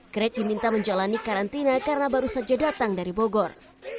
crack diminta menjalani karantina karena baru saja datang dari bogor